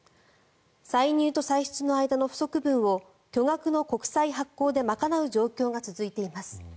歳入と歳出の間の不足分を巨額の国債発行で賄う状況が続いています。